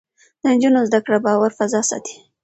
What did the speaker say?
د نجونو زده کړه د باور فضا ساتي.